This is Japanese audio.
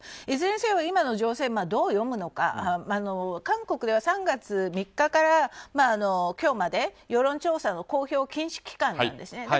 いずれにせよ今の情勢どう読むのか韓国では３月３日から今日まで世論調査の公表禁止期間なんですね。